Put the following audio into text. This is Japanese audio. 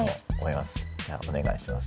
じゃあお願いします。